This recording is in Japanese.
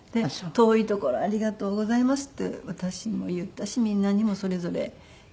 「遠いところありがとうございます」って私にも言ったしみんなにもそれぞれ言ってたみたいで。